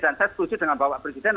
dan saya setuju dengan bapak presiden